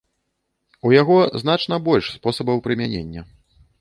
У яго значна больш спосабаў прымянення.